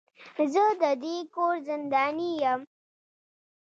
زه د دې کور زنداني يم.